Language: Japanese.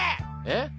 えっ？